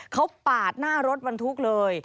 เขาปาดหน้ารถบรรทุกเลย